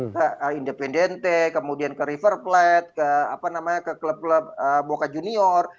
ke independente kemudian ke river plate ke apa namanya ke klub klub boca junior